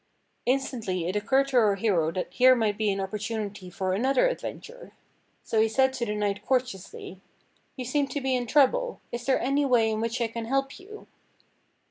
Instantly it occurred to our hero that here might be an oppor tunity for another adventure. So he said to the knight courteously: "You seem to be in trouble. Is there any way in which I can help you.